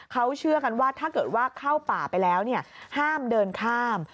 เขาเชื่อกันว่าถ้าเกิดว่าเข้าป่าไปแล้วห้ามเดินข้าม